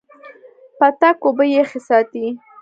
پتک اوبه یخې ساتي.